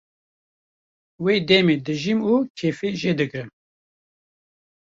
wê demê dijîm û kêfê jê digrim